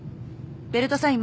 ベルトサイン